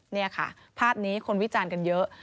นี่ค่ะภาพนี้คนวิจารณ์กันเยอะ